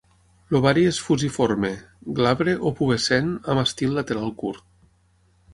L'ovari és fusiforme, glabre o pubescent, amb estil lateral curt